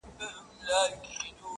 ستا د ښار د ښایستونو په رنګ ـ رنګ یم؛